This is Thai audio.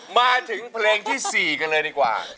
มาถึงเพลงที่๔กันเลยดีกว่า